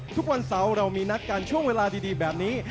ทุกวันเสาร์เรามีนัดกันช่วงเวลาดีแบบนี้